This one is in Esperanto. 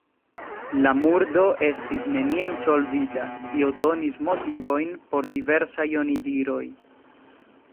La murdo estis neniam solvita, kio donis motivojn por diversaj onidiroj.